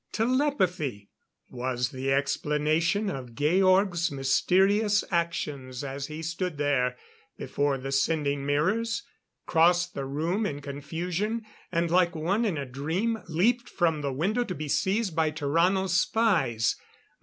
Telepathy was the explanation of Georg's mysterious actions as he stood there before the sending mirrors, crossed the room in confusion, and like one in a dream leaped from the window to be seized by Tarrano's spies.